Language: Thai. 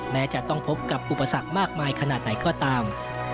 แม้จะต้องพบกับกลุ่มประสักมากมายขนาดไหนก็ตาม